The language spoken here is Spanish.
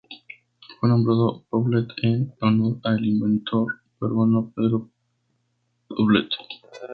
Fue nombrado Paulet en honor al inventor peruano Pedro Paulet.